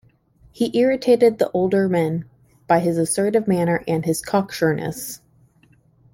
He irritated the older men by his assertive manner, and his cocksureness.